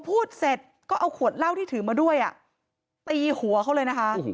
พูดเสร็จก็เอาขวดเหล้าที่ถือมาด้วยตีหัวเขาเลยนะคะ